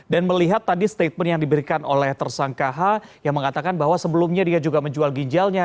dan melihat tadi statement yang diberikan oleh tersangka h yang mengatakan bahwa sebelumnya dia juga menjual ginjalnya